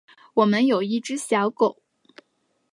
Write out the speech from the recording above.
我们有一只小狗